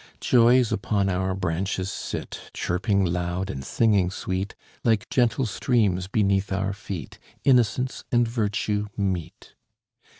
Joys upon our branches sit, Chirping loud and singing sweet; Like gentle streams beneath our feet, Innocence and virtue meet.